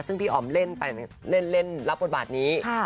ซึ่งพี่อ๋อมเล่นไปเล่นรับบทบาทนี้